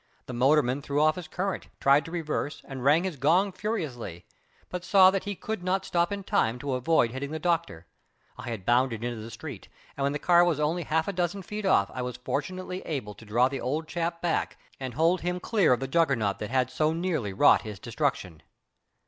The motorman threw off his current, tried to reverse, and rang his gong furiously, but saw that he could not stop in time to avoid hitting the Doctor. I had bounded into the street, and when the car was only half a dozen feet off I was fortunately able to draw the old chap back and hold him clear of the Juggernaut that had so nearly wrought his destruction.